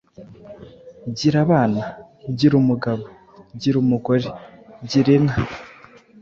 Gira abana, gira umugabo, gira umugore, gira inka”